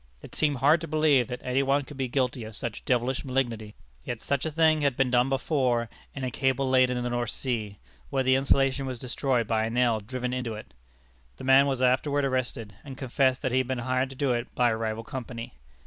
It seemed hard to believe that any one could be guilty of such devilish malignity. Yet such a thing had been done before in a cable laid in the North Sea, where the insulation was destroyed by a nail driven into it. The man was afterward arrested, and confessed that he had been hired to do it by a rival company.